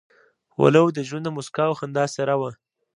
ولو د ژوند د موسکا او خندا څېره وه.